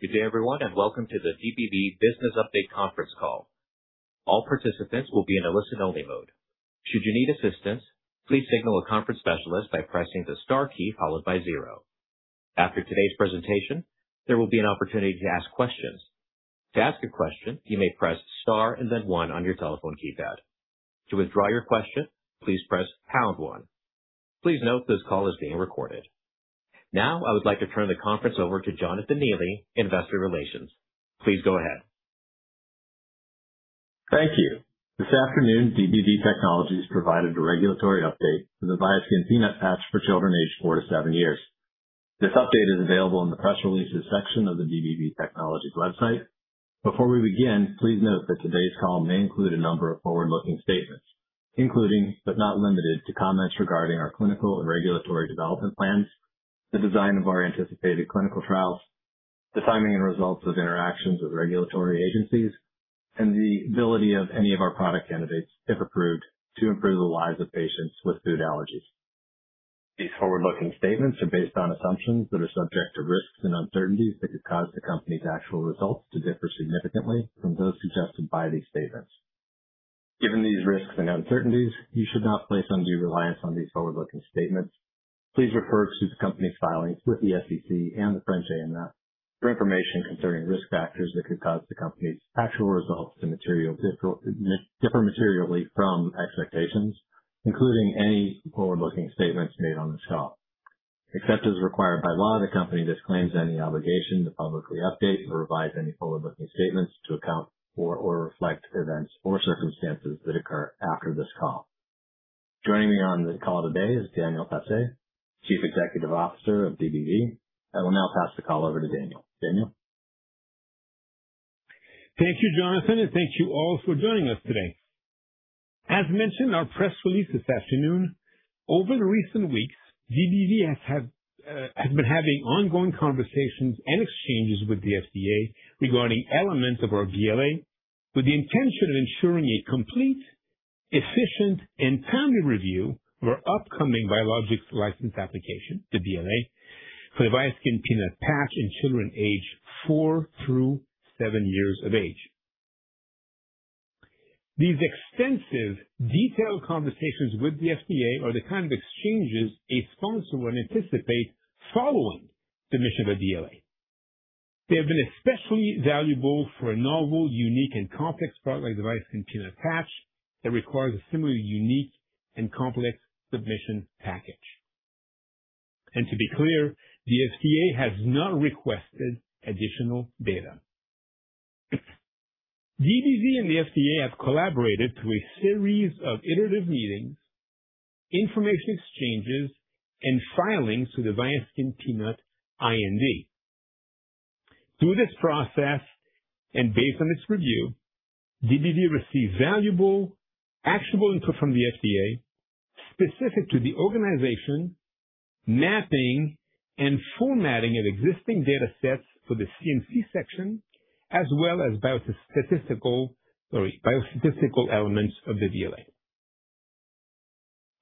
Good day, everyone, and welcome to the DBV Business Update Conference Call. All participants will be in a listen-only mode. Should you need assistance, please signal a conference specialist by pressing the star key followed by zero. After today's presentation, there will be an opportunity to ask questions. To ask a question, you may press star and then one on your telephone keypad. To withdraw your question, please press pound one. Please note this call is being recorded. Now, I would like to turn the conference over to Jonathan Neely, Investor Relations. Please go ahead. Thank you. This afternoon, DBV Technologies provided a regulatory update for the VIASKIN Peanut patch for children aged four to seven years. This update is available in the press releases section of the DBV Technologies website. Before we begin, please note that today's call may include a number of forward-looking statements, including, but not limited to, comments regarding our clinical and regulatory development plans, the design of our anticipated clinical trials, the timing and results of interactions with regulatory agencies, and the ability of any of our product candidates, if approved, to improve the lives of patients with food allergies. These forward-looking statements are based on assumptions that are subject to risks and uncertainties that could cause the company's actual results to differ significantly from those suggested by these statements. Given these risks and uncertainties, you should not place undue reliance on these forward-looking statements. Please refer to the company's filings with the SEC and the French AMF for information concerning risk factors that could cause the company's actual results to differ materially from expectations, including any forward-looking statements made on this call. Except as required by law, the company disclaims any obligation to publicly update or revise any forward-looking statements to account for or reflect events or circumstances that occur after this call. Joining me on the call today is Daniel Tassé, Chief Executive Officer of DBV. I will now pass the call over to Daniel. Daniel? Thank you, Jonathan, and thank you all for joining us today. As mentioned in our press release this afternoon, over the recent weeks, DBV has been having ongoing conversations and exchanges with the FDA regarding elements of our BLA, with the intention of ensuring a complete, efficient, and timely review for upcoming Biologics License Application, the BLA, for the VIASKIN Peanut patch in children aged four through seven years of age. These extensive detailed conversations with the FDA are the kind of exchanges a sponsor would anticipate following submission of a BLA. They have been especially valuable for a novel, unique, and complex product like the VIASKIN Peanut patch that requires a similarly unique and complex submission package. To be clear, the FDA has not requested additional data. DBV and the FDA have collaborated through a series of iterative meetings, information exchanges, and filings for the VIASKIN Peanut IND. Based on its review, DBV received valuable, actionable input from the FDA specific to the organization, mapping, and formatting of existing data sets for the CMC section, as well as biostatistical elements of the BLA.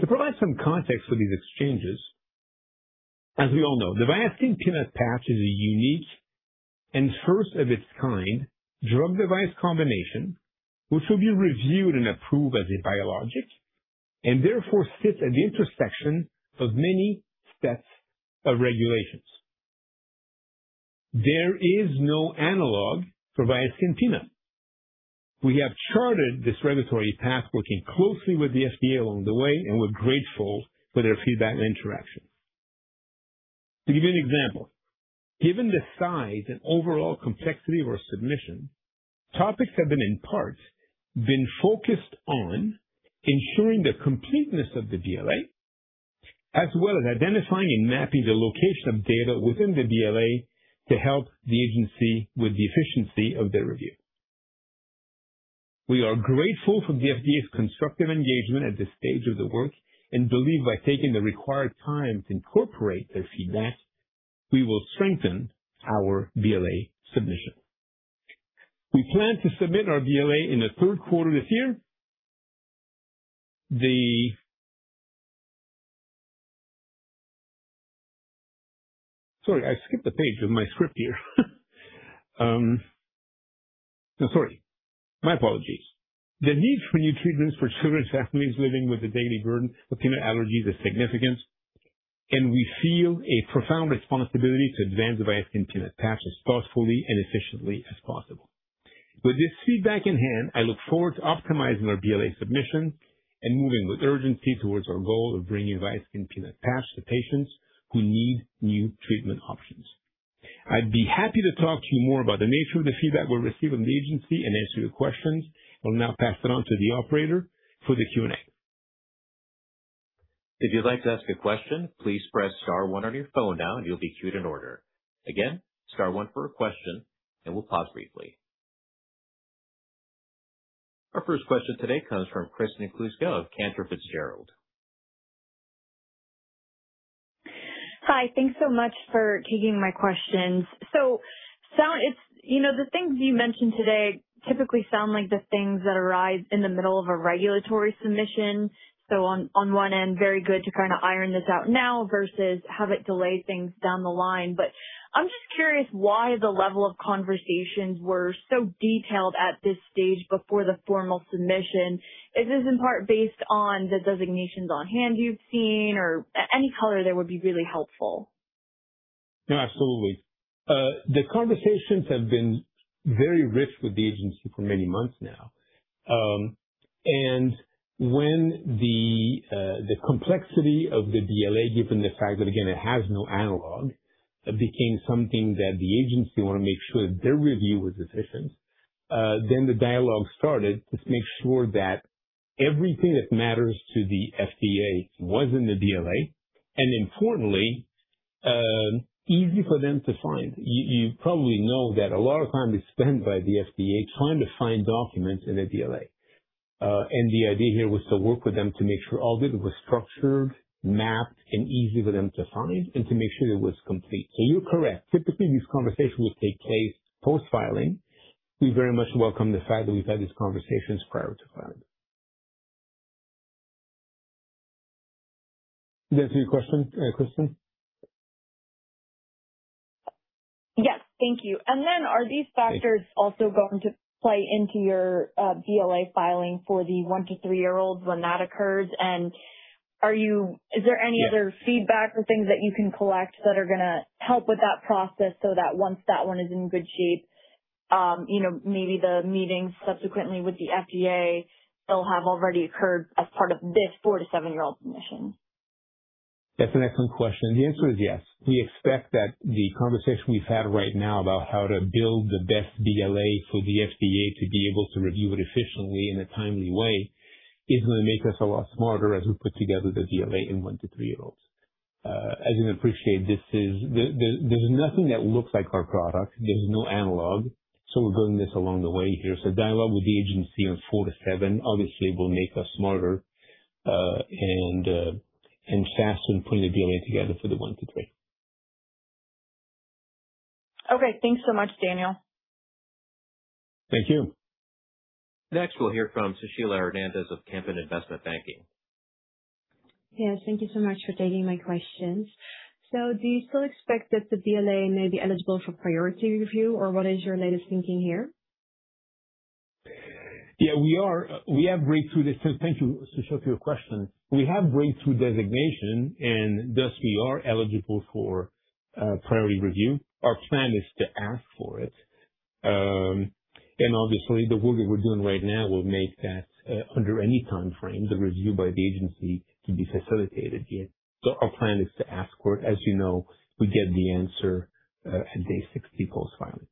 To provide some context for these exchanges, as we all know, the VIASKIN Peanut patch is a unique and first-of-its-kind drug-device combination, which will be reviewed and approved as a biologic, and therefore sits at the intersection of many sets of regulations. There is no analog for VIASKIN Peanut. We have charted this regulatory path working closely with the FDA along the way, and we're grateful for their feedback and interaction. To give you an example, given the size and overall complexity of our submission, topics have been, in parts, been focused on ensuring the completeness of the BLA, as well as identifying and mapping the location of data within the BLA to help the agency with the efficiency of their review. We are grateful for the FDA's constructive engagement at this stage of the work and believe by taking the required time to incorporate their feedback, we will strengthen our BLA submission. We plan to submit our BLA in the third quarter this year. Sorry, I skipped a page of my script here. No, sorry. My apologies. The need for new treatments for children and families living with the daily burden of peanut allergies is significant, we feel a profound responsibility to advance the VIASKIN Peanut patch as thoughtfully and efficiently as possible. With this feedback in hand, I look forward to optimizing our BLA submission and moving with urgency towards our goal of bringing VIASKIN Peanut patch to patients who need new treatment options. I'd be happy to talk to you more about the nature of the feedback we received from the agency and answer your questions. I'll now pass it on to the operator for the Q&A. If you'd like to ask a question, please press star one on your phone now, you'll be queued in order. Again, star one for a question, we'll pause briefly. Our first question today comes from Kristen Kluska, Cantor Fitzgerald. Hi. Thanks so much for taking my questions. The things you mentioned today typically sound like the things that arise in the middle of a regulatory submission. On one end, very good to iron this out now versus have it delay things down the line. I'm just curious why the level of conversations were so detailed at this stage before the formal submission. Is this in part based on the designations on hand you've seen, or any color there would be really helpful. No, absolutely. The conversations have been very rich with the agency for many months now. When the complexity of the BLA, given the fact that, again, it has no analog, became something that the agency wanted to make sure that their review was efficient, the dialogue started to make sure that everything that matters to the FDA was in the BLA, and importantly, easy for them to find. You probably know that a lot of time is spent by the FDA trying to find documents in a BLA. The idea here was to work with them to make sure all of it was structured, mapped, and easy for them to find, and to make sure it was complete. You're correct. Typically, these conversations would take place post-filing. We very much welcome the fact that we've had these conversations prior to filing. Does that answer your question, Kristen? Yes. Thank you. Are these factors also going to play into your BLA filing for the one to three-year-olds when that occurs? Is there any other feedback or things that you can collect that are going to help with that process so that once that one is in good shape, maybe the meetings subsequently with the FDA will have already occurred as part of this four to seven-year-old submission? That's an excellent question. The answer is yes. We expect that the conversation we've had right now about how to build the best BLA for the FDA to be able to review it efficiently in a timely way is going to make us a lot smarter as we put together the BLA in one to three-year-olds. As you appreciate, there's nothing that looks like our product. There's no analog. We're building this along the way here. Dialogue with the agency on four to seven obviously will make us smarter and faster in putting the BLA together for the one to three. Okay. Thanks so much, Daniel. Thank you. Next, we'll hear from Sushila Hernandez of Kempen Investment Banking. Yes, thank you so much for taking my questions. Do you still expect that the BLA may be eligible for Priority Review, or what is your latest thinking here? Yeah, we are. Thank you, Sushila, for your question. We have Breakthrough designation, and thus we are eligible for Priority Review. Our plan is to ask for it. Obviously, the work that we're doing right now will make that, under any timeframe, the review by the agency to be facilitated here. Our plan is to ask for it. As you know, we get the answer at day 60 post-filing.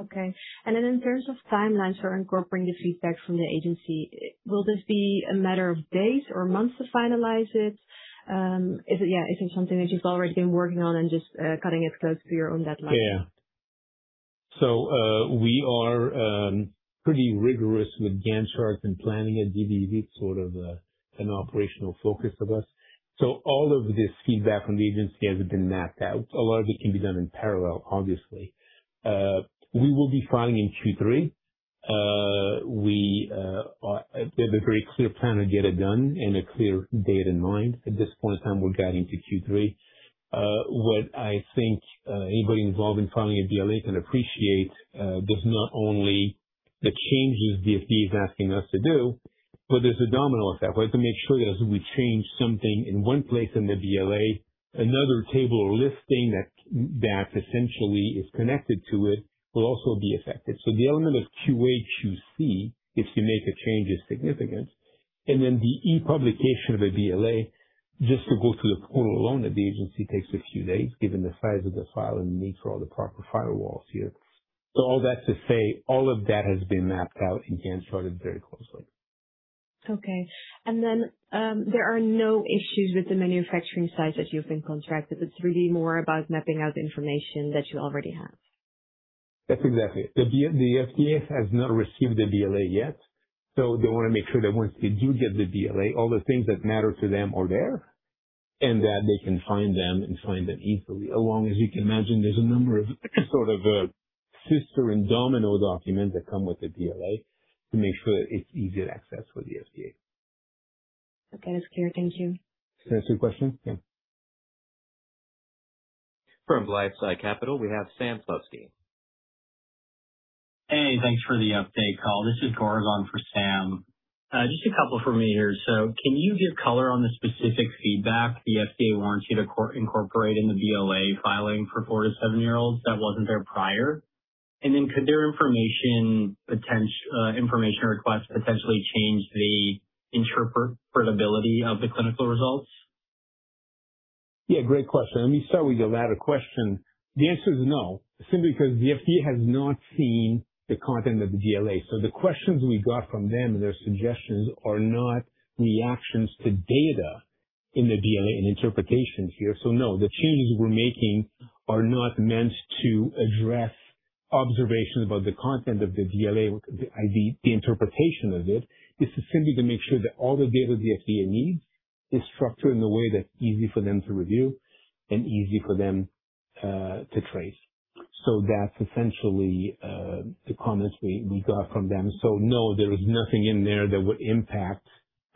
Okay. Then in terms of timelines for incorporating the feedback from the agency, will this be a matter of days or months to finalize it? Is it something that you've already been working on and just cutting it close to your own deadline? Yeah. We are pretty rigorous with Gantt charts and planning at DBV. It's sort of an operational focus of us. All of this feedback from the agency has been mapped out. A lot of it can be done in parallel, obviously. We will be filing in Q3. We have a very clear plan to get it done and a clear date in mind. At this point in time, we're guiding to Q3. What I think anybody involved in filing a BLA can appreciate there's not only the changes the FDA is asking us to do, but there's a domino effect. We have to make sure that as we change something in one place in the BLA, another table or listing that essentially is connected to it will also be affected. The element of QA/QC, if you make a change, is significant. The e-publication of a BLA, just to go through the portal alone at the agency takes a few days, given the size of the file and the need for all the proper firewalls here. All that to say, all of that has been mapped out and Gantt charted very closely. Okay. There are no issues with the manufacturing sites that you've been contracted. It's really more about mapping out the information that you already have. That's exactly it. The FDA has not received the BLA yet, they want to make sure that once they do get the BLA, all the things that matter to them are there, and that they can find them and find them easily, along, as you can imagine, there's a number of sort of sister and domino documents that come with the BLA to make sure it's easy to access for the FDA. Okay, that's clear. Thank you. Does that answer your question? From LifeSci Capital, we have Sam Slutsky. Hey, thanks for the update call. This is Goran for Sam. Can you give color on the specific feedback the FDA wants you to incorporate in the BLA filing for four to seven-year-olds that wasn't there prior? Could their information request potentially change the interpretability of the clinical results? Great question. Let me start with the latter question. The answer is no, simply because the FDA has not seen the content of the BLA. The questions we got from them, and their suggestions are not reactions to data in the BLA and interpretations here. No, the changes we're making are not meant to address observations about the content of the BLA, the interpretation of it. This is simply to make sure that all the data the FDA needs is structured in a way that's easy for them to review and easy for them to trace. That's essentially the comments we got from them. No, there is nothing in there that would impact,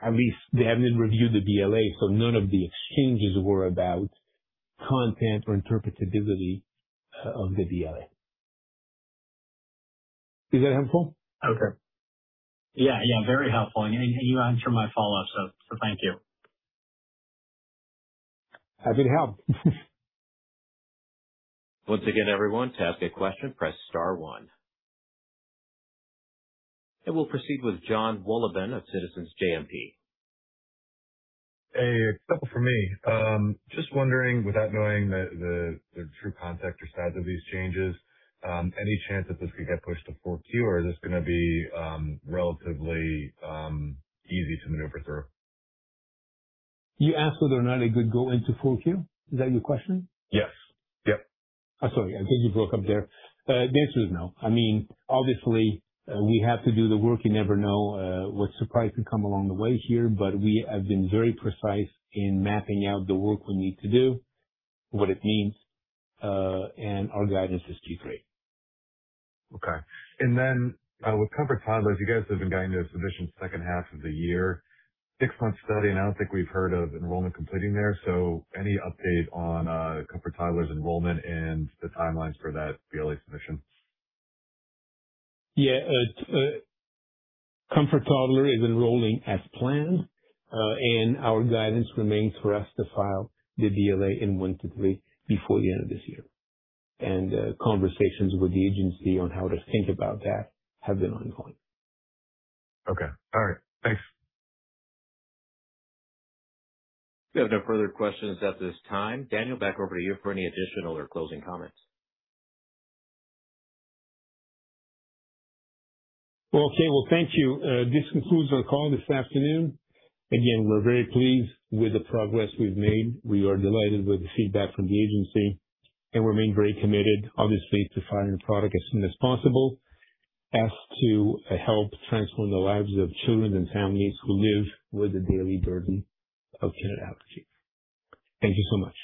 at least they haven't reviewed the BLA, none of the exchanges were about content or interpretability of the BLA. Is that helpful? Okay. Yeah. Very helpful. You answered my follow-up, thank you. Happy to help. Once again, everyone, to ask a question, press star one. We'll proceed with Jon Wolleben of Citizens JMP. A couple from me. Just wondering, without knowing the true context or size of these changes, any chance that this could get pushed to Q4 or is this going to be relatively easy to maneuver through? You asked whether or not it could go into Q4? Is that your question? Yes. Yep. I'm sorry. I think you broke up there. The answer is no. Obviously, we have to do the work. You never know what surprise could come along the way here. We have been very precise in mapping out the work we need to do, what it means. Our guidance is Q3. Okay. With COMFORT Toddler, you guys have been guiding the submission second half of the year, six-month study. I don't think we've heard of enrollment completing there. Any update on COMFORT Toddler's enrollment and the timelines for that BLA submission? Yeah. COMFORT Toddler is enrolling as planned. Our guidance remains for us to file the BLA in one to three before the end of this year. Conversations with the agency on how to think about that have been ongoing. Okay. All right. Thanks. We have no further questions at this time. Daniel, back over to you for any additional or closing comments. Okay. Well, thank you. This concludes our call this afternoon. Again, we're very pleased with the progress we've made. We are delighted with the feedback from the agency and remain very committed, obviously, to filing the product as soon as possible as to help transform the lives of children and families who live with the daily burden of peanut allergy. Thank you so much.